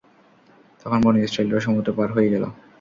তখন বনী ইসরাঈলরা সমুদ্র পার হয়ে গেল।